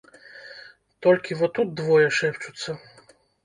Толькі во тут двое шэпчуцца.